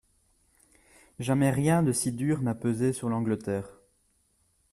Jamais rien de si dur n’a pesé sur l’Angleterre.